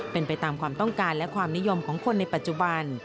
เป็นไปตามความต้องการและความนิยมของคนในปัจจุบัน